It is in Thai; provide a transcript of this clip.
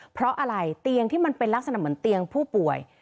เพราะอะไรเตียงที่มันเป็นลักษณะเหมือนเตียงผู้ป่วย